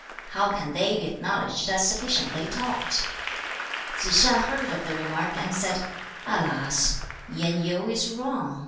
How can they be acknowledged as sufficiently taught?' 2. Tsze hsia heard of the remark and said, 'Alas! Yen Yu is wrong.